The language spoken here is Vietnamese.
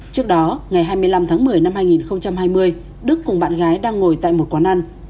trước đó ngày hai mươi năm tháng một mươi năm hai nghìn hai mươi đức cùng bạn gái đang ngồi tại một quán ăn